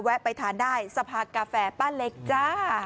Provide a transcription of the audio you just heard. ไปทานได้สภากาแฟป้าเล็กจ้า